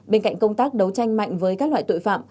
bên cạnh công tác đấu tranh mạnh với các loại tội phạm